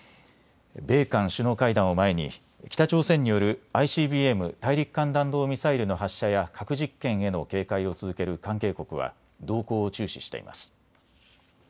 米韓首脳会談を前に北朝鮮によるＩＣＢＭ・大陸間弾道ミサイルの発射や核実験への警戒を続ける関係国は動向を注視しています。